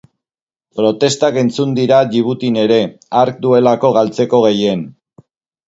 Protestak entzun dira Djibutin ere, hark duelako galtzeko gehien.